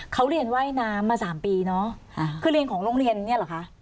เขาเรียนว่ายน้ำมาสามปีเนอะคือเรียนของโรงเรียนเนี่ยเหรอคะ